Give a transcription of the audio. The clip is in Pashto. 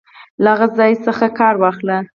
له هغه څخه کار واخلي.